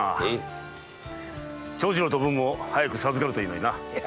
長次郎とおぶんも早く授かるといいのにな。